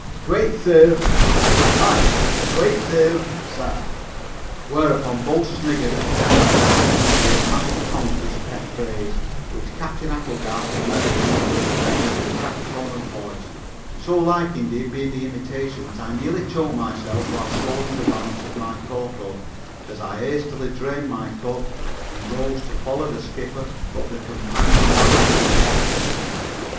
"Quite so." "Aye, `quite so,' sir." Whereupon both sniggered at the skipper's apt mimicry of Master Conky's pet phrase, which Captain Applegarth pronounced in the little beggar's exact tone of voice, so like indeed being the imitation that I nearly choked myself while swallowing the balance of my cocoa, as I hastily drained my cup and rose to follow the skipper up the companion ladder to the deck.